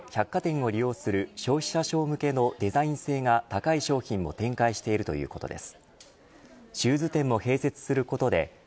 ワークマン、ウリの低価格でお百貨店に利用する消費者層向けのデザイン性が高い商品も展開しているということです。